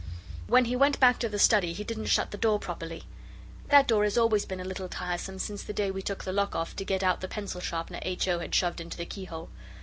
When he went back to the study he didn't shut the door properly. That door has always been a little tiresome since the day we took the lock off to get out the pencil sharpener H. O. had shoved into the keyhole.